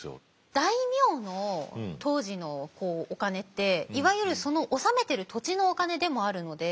大名の当時のお金っていわゆるその治めてる土地のお金でもあるので。